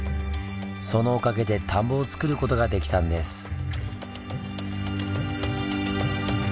そのおかげで田んぼをつくることができたんです。